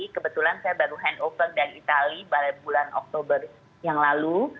kebetulan saya baru handover dari itali pada bulan oktober yang lalu